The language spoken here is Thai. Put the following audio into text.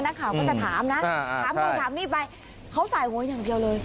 นักข่าวก็จะถามนะถามนู่นถามนี่ไปเขาใส่หัวอย่างเดียวเลย